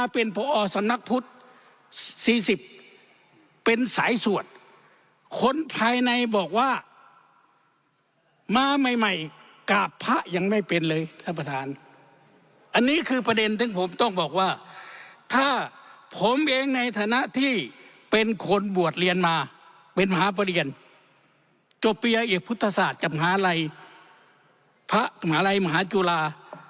พระพุทธศาสตร์จำหาลัยพระหมาลัยมหาจุฬา